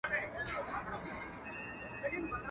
o پردى خر په ملا زوره ور دئ.